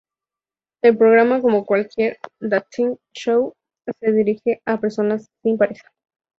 El programa, como cualquier "dating show", se dirige a personas sin pareja.